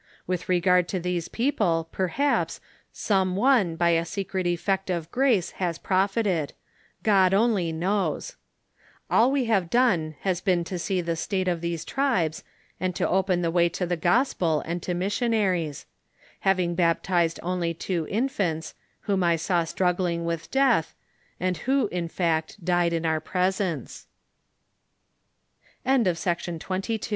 "With regard to these people, perhaps, some one by a secret effect of grace, has profited ; God only knows. All we have done has been to see the state of these tribes, and to open the way to the gospel and to miS" sionaries; having baptized only two infants, whom I saw struggling with deat